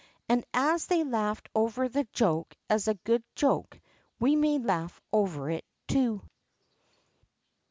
And as they laughed over the joke as a good joke, we may laugh over it too.